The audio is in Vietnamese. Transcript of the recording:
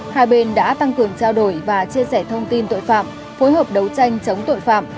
hai bên đã tăng cường trao đổi và chia sẻ thông tin tội phạm phối hợp đấu tranh chống tội phạm